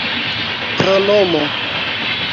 pronomo